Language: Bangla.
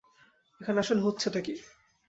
এখানে আসলে হচ্ছেটা কি?